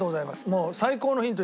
もう最高のヒント。